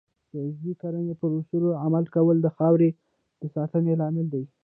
د عضوي کرنې پر اصولو عمل کول د خاورې د ساتنې لامل دی.